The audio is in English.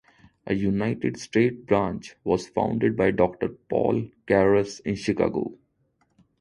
A United States branch was founded by Doctor Paul Carus in Chicago.